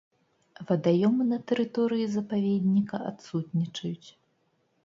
Вадаёмы на тэрыторыі запаведніка адсутнічаюць.